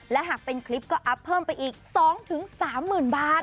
และหากเป็นคลิปก็อัพเพิ่มไปอีก๒๓๐๐๐บาท